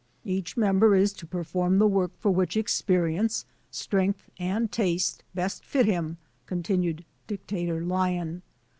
"Each member is to perform the work for Erhich experience, strength, and taste best fit im," continued Dictator Lion.